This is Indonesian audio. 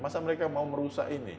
masa mereka mau merusak ini